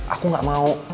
aku gak mau